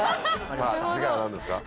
さぁ次回は何ですか？